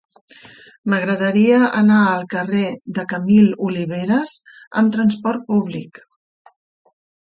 M'agradaria anar al carrer de Camil Oliveras amb trasport públic.